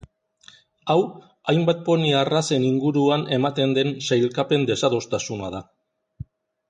Hau hainbat poni arrazen inguruan ematen den sailkapen desadostasuna da.